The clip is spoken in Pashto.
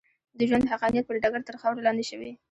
د ژوند حقانیت پر ډګر تر خاورو لاندې شوې.